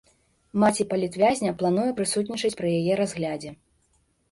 Маці палітвязня плануе прысутнічаць пры яе разглядзе.